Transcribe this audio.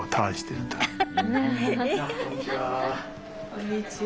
こんにちは。